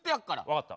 分かった。